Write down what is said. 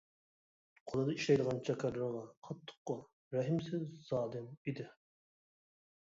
قولىدا ئىشلەيدىغان چاكارلىرىغا قاتتىق قول، رەھىمسىز زالىم ئىدى.